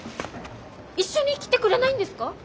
一緒に来てくれないんですか？